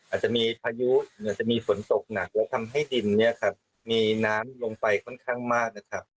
อาจจะมีพายุฝนตกหนักทำให้ดินมีน้ำลงไปค่อนข้างมาก